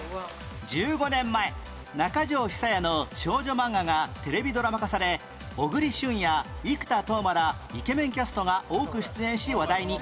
１５年前中条比紗也の少女漫画がテレビドラマ化され小栗旬や生田斗真らイケメンキャストが多く出演し話題に